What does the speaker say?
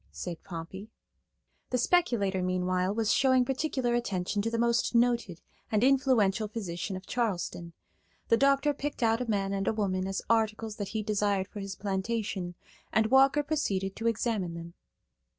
said Pompey. The speculator, meanwhile, was showing particular attention to the most noted and influential physician of Charleston. The doctor picked out a man and a woman as articles that he desired for his plantation, and Walker proceeded to examine them.